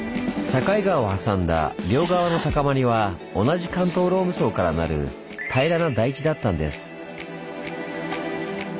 境川を挟んだ両側の高まりは同じ関東ローム層からなる平らな台地だったんです。